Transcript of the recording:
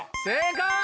正解！